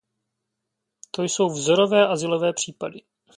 To jsou vzorové azylové případy.